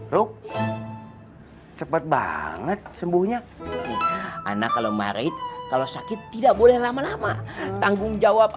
rup cepet banget sembuhnya anak kalau marit kalau sakit tidak boleh lama lama tanggungjawab